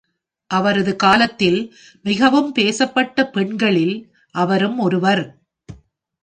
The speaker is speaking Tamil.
அவரது காலத்தில் மிகவும் பேசப்பட்ட பெண்களில் அவரும் ஒருவர்